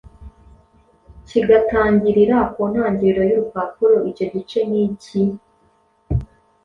kigatangirira ku ntangiriro y’urupapuro. Icyo gice ni iki: